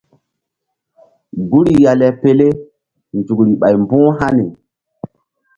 Guri ya le pele nzukri ɓay mbu̧h hani.